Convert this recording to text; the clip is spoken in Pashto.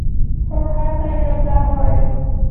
خو هر کار يو پلان غواړي.